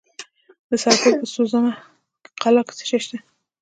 د سرپل په سوزمه قلعه کې څه شی شته؟